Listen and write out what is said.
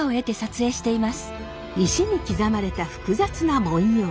石に刻まれた複雑な文様。